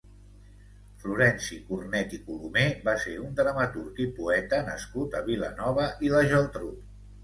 Florenci Cornet i Colomer va ser un dramaturg i poeta nascut a Vilanova i la Geltrú.